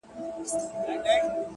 • نجلۍ نه وه شاه پري وه ګلدسته وه,